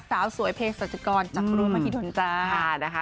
สาวสวยเพศสัจกรจากรุมภิกษ์มหิดลจา